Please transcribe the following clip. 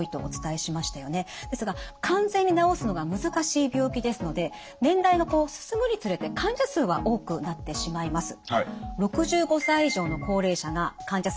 ですが完全に治すのが難しい病気ですので年代が進むにつれて患者数は多くなってしまいます。